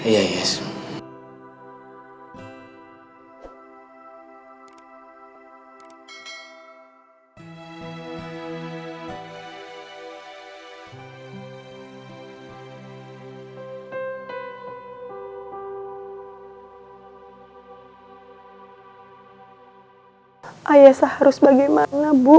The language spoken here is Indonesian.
tapi yang jelas saya mengucapkan banyak terimakasih kepada pak billy